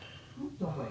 どこへ。